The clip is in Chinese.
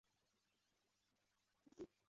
该寺以其训养的能够跳圈的猫而闻名。